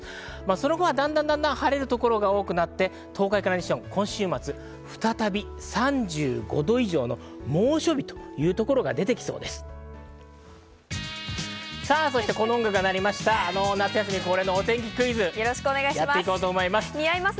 その後は晴れる所が多くなって、今週末、再び３５度以上の猛暑日というところが出てきそうです。